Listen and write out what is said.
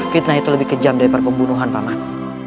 fitnah itu lebih kejam dari perpembunuhan paman